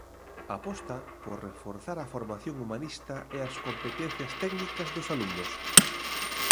Aposta por reforzar a formación humanista e as competencias técnicas dos alumnos.